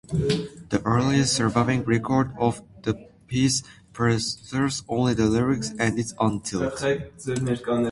The earliest surviving record of the piece preserves only the lyrics and is untitled.